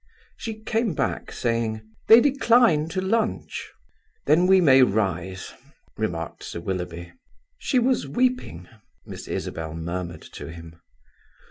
She came back, saying: "They decline to lunch." "Then we may rise," remarked Sir Willoughby. "She was weeping," Miss Isabel murmured to him.